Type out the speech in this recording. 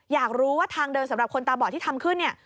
อยากรู้ว่าทางเดินสำหรับคนตาบอดที่ทำขึ้นเนี่ย